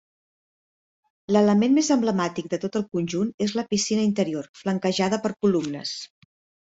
L'element més emblemàtic del tot el conjunt és la piscina interior flanquejada per columnes.